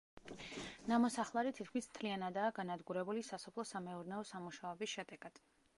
ნამოსახლარი თითქმის მთლიანადაა განადგურებული სასოფლო-სამეურნეო სამუშაოების შედეგად.